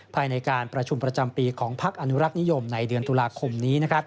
ภายในการประชุมประจำปีของพักอนุรักษ์นิยมในเดือนตุลาคมนี้